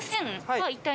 はい。